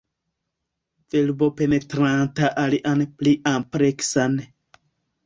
Volbo penetranta alian pli ampleksan.